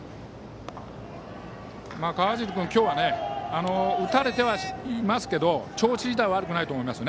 川尻君は今日は打たれてはいますけど調子としては悪くないと思います。